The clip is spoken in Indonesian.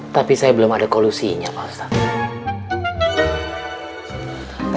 tapi saya belum ada kolusinya pak ustadz